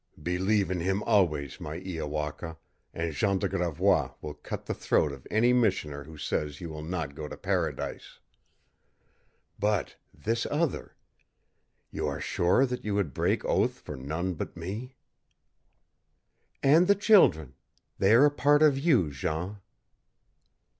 "Believe in him always, my Iowaka, and Jean de Gravois will cut the throat of any missioner who says you will not go to Paradise! But this other. You are sure that you would break oath for none but me?" "And the children. They are a part of you, Jean."